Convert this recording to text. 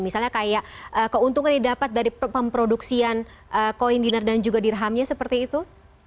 misalnya kayak keuntungan yang didapat dari pemproduksian koin dinner dan juga dirhamnya seperti itu